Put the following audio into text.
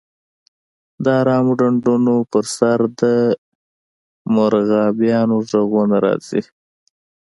د ارامو ډنډونو په سر د مرغابیانو غږونه راځي